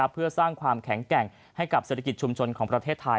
เพื่อสร้างความแข็งแกร่งให้กับเศรษฐกิจชุมชนของประเทศไทย